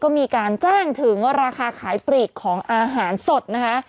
ก็มีการแจ้งถึงราคาขายปลีกของอาหารสดนะคะ